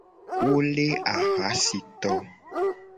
Wo le ahuasito.